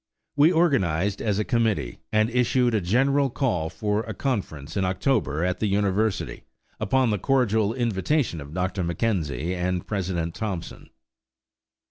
We organized as a committee, and issued a general call for a conference in October at the university, upon the cordial invitation of Dr. McKenzie and President Thompson.